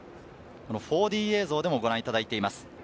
４Ｄ映像でもご覧いただいています。